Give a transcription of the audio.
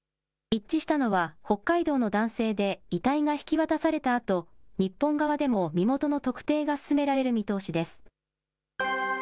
一致したのは北海道の男性で、遺体が引き渡されたあと、日本側でも身元の特定が進められる見通しです。